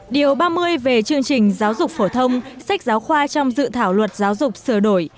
điều ba mươi về chương trình giáo dục phổ thông sách giáo khoa trong dự thảo luật giáo dục sửa đổi